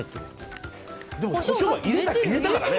でもコショウは入れたからね。